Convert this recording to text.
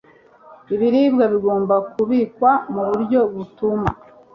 Ibiribwa bigomba kubikwa mu buryo butuma